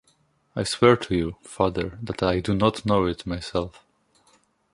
I swear to you, father, that I do not know it myself.